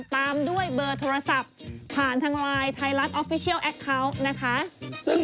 ฟันทง